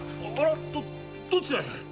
どちらへ？